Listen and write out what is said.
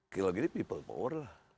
kalau gini people power lah